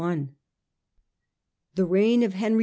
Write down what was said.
The reign of Henry V.